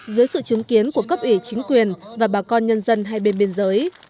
dưới sự chứng kiến của cấp ủy chính quyền và bà con nhân dân hai bên biên giới